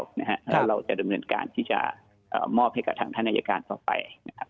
และเราจะดำเนินการที่จะมอบให้กับทางธนิยาการต่อไป